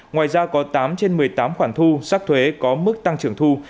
ngoài ra có tám trên một mươi tám khoản thu sắc thuế có mức tăng trưởng thu